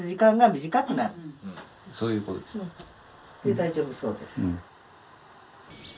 大丈夫そうです。